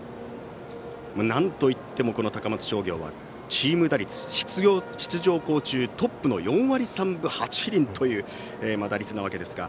なんといっても、この高松商業はチーム打率出場校中トップの４割３分８厘という打率なわけですが。